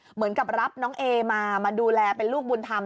เหมือนกับรับน้องเอมามาดูแลเป็นลูกบุญธรรม